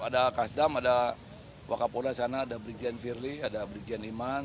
ada kasdam ada wakapolda sana ada brigjen firly ada brigjen iman